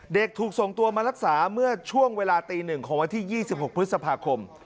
ถูกส่งตัวมารักษาเมื่อช่วงเวลาตี๑ของวันที่๒๖พฤษภาคม